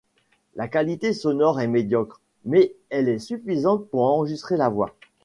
La qualité sonore est médiocre, mais elle est suffisante pour enregistrer la voix.